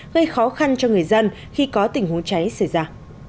gây khó khăn cho người dân khi có tình huống cháy xảy ra